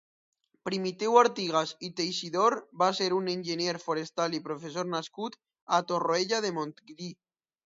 Primitiu Artigas i Teixidor va ser un enginyer forestal i professor nascut a Torroella de Montgrí.